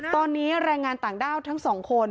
ตอนนี้แรงงานต่างด้าวทั้งสองคน